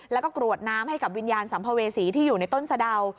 แล้วก็กรวดน้ำให้กับวิญญาณสัมภเวษีที่อยู่ในต้นสะดาว